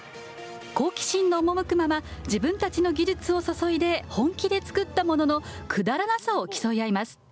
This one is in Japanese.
好奇心の赴くまま、自分たちの技術を注いで本気で作ったもののくだらなさを競い合います。